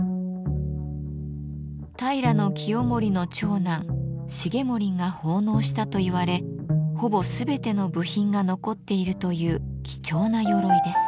平清盛の長男重盛が奉納したといわれほぼ全ての部品が残っているという貴重な鎧です。